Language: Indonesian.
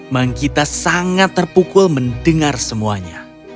manggita sangat terpukul mendengar semuanya